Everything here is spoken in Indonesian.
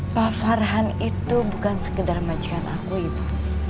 pak farhan itu bukan sekedar majikan aku ibu